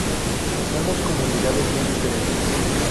Somos comunidades muy diferentes.